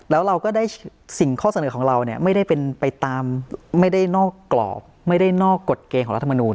แล้วเราก็ได้สิ่งข้อเสนอของเราเนี่ยไม่ได้เป็นไปตามไม่ได้นอกกรอบไม่ได้นอกกฎเกณฑ์ของรัฐมนูล